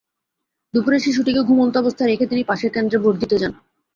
দুপুরে শিশুটিকে ঘুমন্ত অবস্থায় রেখে তিনি পাশের কেন্দ্রে ভোট দিতে যান।